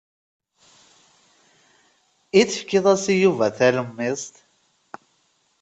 I tefked-as i Yuba talemmiẓt?